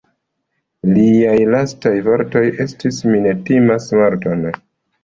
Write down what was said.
Liaj lastaj vortoj estis: "mi ne timas morton.